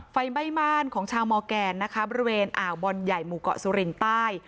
ไฟไหม้บ้านของชาวมอร์แกนนะคะบริเวณอ่าวบอลใหญ่หมู่เกาะสุรินใต้